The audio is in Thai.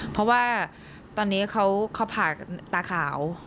เพราะว่าตอนนี้เขาผ่าตาขาว